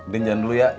din jalan dulu ya